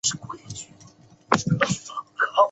位于宿州市埇桥区东二铺。